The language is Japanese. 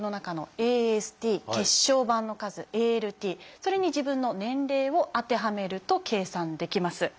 それに自分の「年齢」を当てはめると計算できます。